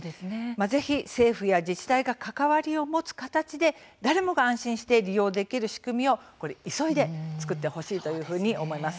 ぜひ政府や自治体が関わりを持つ形で誰もが安心して利用できる仕組みを急いで作ってほしいというふうに思います。